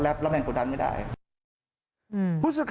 แล้วก็ตัดสายทิ้งไปครับคุณผู้ชมครับ